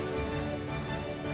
bu jangan bu